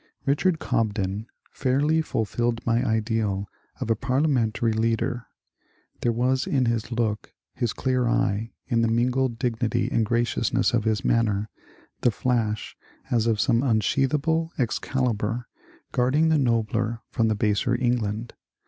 Richard Cobden fairly fulfilled my ideal of a parliamentary leader. There was in his look, his clear eye, in the mingled dignity and graciousness of his manner, the flash as of some unsheathable Excalibur guarding the nobler from the baser England.